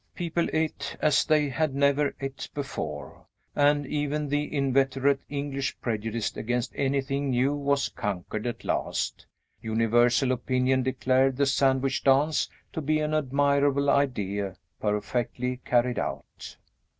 People eat as they had never eat before, and even the inveterate English prejudice against anything new was conquered at last. Universal opinion declared the Sandwich Dance to be an admirable idea, perfectly carried out.